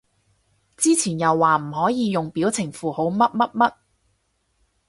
之前又話唔可以用表情符號乜乜乜